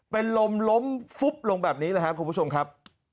เป็นลมล้มฟุบลงแบบนี้แหละครับคุณผู้ชมครับ